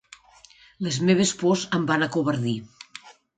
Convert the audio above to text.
Les meves pors em van acovardir.